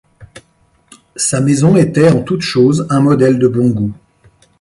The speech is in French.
Sa maison était, en toute chose, un modèle de bon goût.